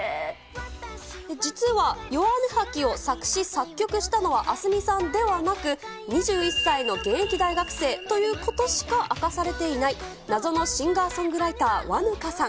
実はヨワネハキを作詞作曲したのはアスミさんではなく、２１歳の現役大学生ということしか明かされていない、謎のシンガーソングライター、和ぬかさん。